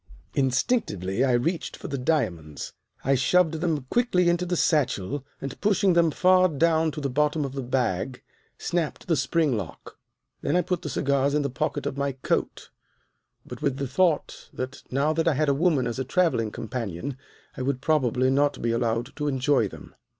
"Instinctively I reached for the diamonds. I shoved them quickly into the satchel and, pushing them far down to the bottom of the bag, snapped the spring lock. Then I put the cigars in the pocket of my coat, but with the thought that now that I had a woman as a travelling companion I would probably not be allowed to enjoy them.